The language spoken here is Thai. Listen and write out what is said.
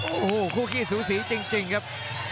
โอ้โหคู่ขี้สูสีจริงครับ